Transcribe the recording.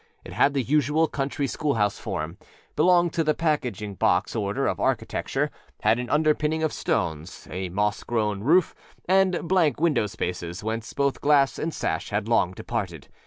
It had the usual country schoolhouse formâbelonged to the packing box order of architecture; had an underpinning of stones, a moss grown roof, and blank window spaces, whence both glass and sash had long departed.